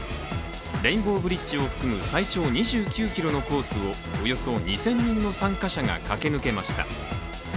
レインボーブリッジを含む最長２９ｋｍのコースをおよそ２０００人の参加者が駆け抜けました。